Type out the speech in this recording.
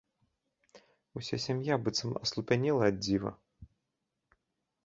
Уся сям'я быццам аслупянела ад дзіва.